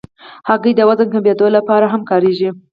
هګۍ د وزن کمېدو لپاره هم کارېږي.